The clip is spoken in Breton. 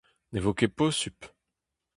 Ne vo ket posupl !